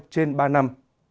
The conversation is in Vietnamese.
trên ba năm